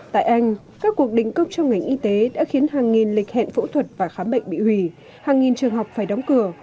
tại anh các cuộc đình công trong ngành y tế đã khiến hàng nghìn lịch hẹn phẫu thuật và khám bệnh bị hủy hàng nghìn trường học phải đóng cửa